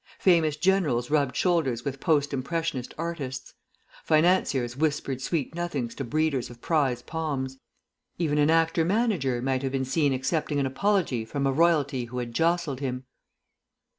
Famous Generals rubbed shoulders with Post Impressionist Artists; Financiers whispered sweet nothings to Breeders of prize Poms; even an Actor Manager might have been seen accepting an apology from a Royalty who had jostled him.